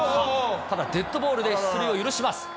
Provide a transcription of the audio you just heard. ただ、デッドボールで出塁を許します。